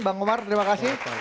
bang komar terima kasih